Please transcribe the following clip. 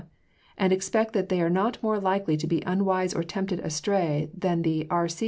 and expect that they are not more likely to be unwise or tempted astray than the R.C.